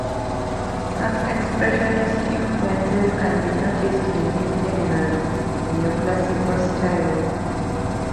Some expressionist influences can be noticed in his generally neoclassical style.